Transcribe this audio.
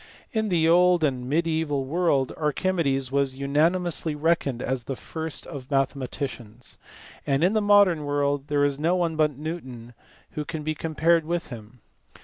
In the old and mediaeval world Archimedes was unanimously reckoned as the first of mathematicians : and in the modern world there is no one but Newton who can be compared with him.